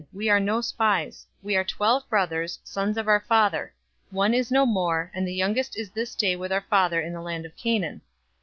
We are no spies. 042:032 We are twelve brothers, sons of our father; one is no more, and the youngest is this day with our father in the land of Canaan.'